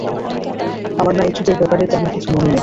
আমার না এই ট্রিপের ব্যাপারে তেমন কিছু মনে নেই!